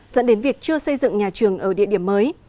dẫn đến việc chưa xây dựng nhà trường ở địa điểm mới